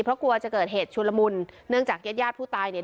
เพราะกลัวจะเกิดเหตุชุลมุนเนื่องจากญาติญาติผู้ตายเนี่ย